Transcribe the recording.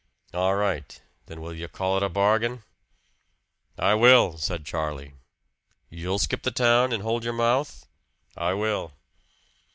"All right. Then will you call it a bargain?" "I will," said Charlie. "You'll skip the town, and hold your mouth?" "I will."